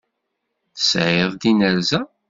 Tesεiḍ inerza.